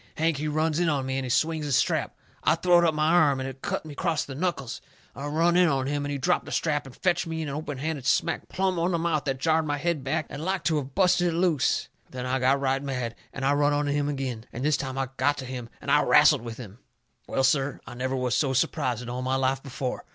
Hank, he runs in on me, and he swings his strap. I throwed up my arm, and it cut me acrost the knuckles. I run in on him, and he dropped the strap and fetched me an openhanded smack plumb on the mouth that jarred my head back and like to of busted it loose. Then I got right mad, and I run in on him agin, and this time I got to him, and wrastled with him. Well, sir, I never was so surprised in all my life before.